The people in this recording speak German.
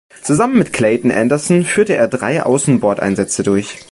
Zusammen mit Clayton Anderson führte er drei Außenbordeinsätze durch.